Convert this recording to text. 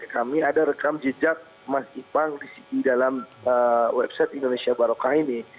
kami ada rekam jejak mas ipang di dalam website indonesia barokah ini